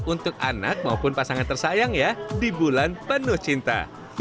untuk anak maupun pasangan tersayang ya di bulan penuh cinta